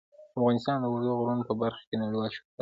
افغانستان د اوږدو غرونو په برخه کې نړیوال شهرت لري.